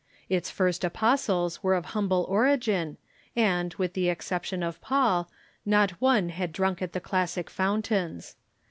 Its first apostles were of humble origin, and, with the exception of Paul, not one had drunk at the classic fountains.